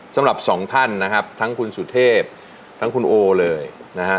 สำหรับสองท่านนะครับทั้งคุณสุเทพทั้งคุณโอเลยนะฮะ